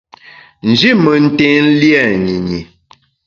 Nji mentèn lia nyinyi.